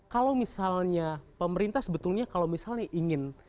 kalau misalnya pemerintah sebetulnya kalau misalnya ingin